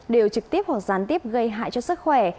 đều trực tiếp hoặc gián tiếp gây hại cho sức khỏe